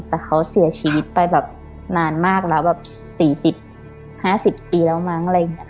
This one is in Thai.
แต่เขาเสียชีวิตไปแบบนานมากแล้วแบบ๔๐๕๐ปีแล้วมั้งอะไรอย่างนี้